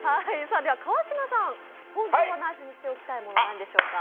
川島さん、本当は内緒にしておきたいものは何でしょうか。